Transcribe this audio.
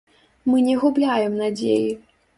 Мы не губляем надзеі.